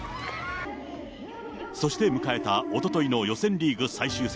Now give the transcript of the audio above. そして迎えたおとといの予選リーグ最終戦。